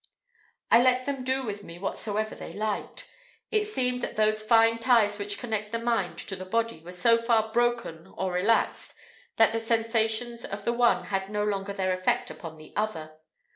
I let them do with me whatsoever they liked. It seemed that those fine ties which connect the mind and the body were so far broken or relaxed, that the sensations of the one had no longer their effect upon the other.